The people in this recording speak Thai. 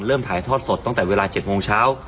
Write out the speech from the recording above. ถ่ายทอดสดตั้งแต่เวลา๗โมงเช้า